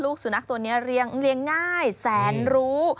สุนัขตัวนี้เลี้ยงง่ายแสนรู้